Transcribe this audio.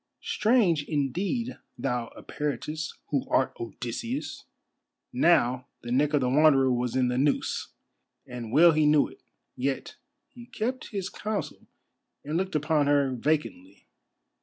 Strange, indeed, thou Eperitus, who art Odysseus." Now the neck of the Wanderer was in the noose, and well he knew it: yet he kept his counsel, and looked upon her vacantly.